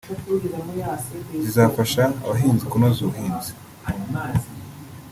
zizafashe abahinzi kunoza ubuhinzi